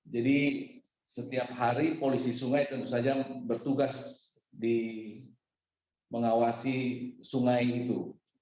jadi setiap hari polisi sungai tentu saja bertugas mengawasi sungai itu